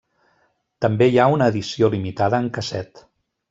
També hi ha una edició limitada en casset.